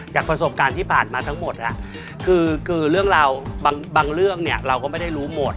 ประสบการณ์ที่ผ่านมาทั้งหมดคือเรื่องราวบางเรื่องเนี่ยเราก็ไม่ได้รู้หมด